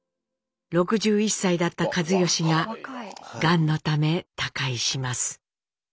６１歳だった一嚴ががんのため他界します。